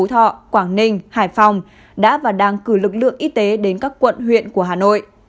thọ quảng ninh hải phòng đã và đang cử lực lượng y tế đến các quận huyện của hà nội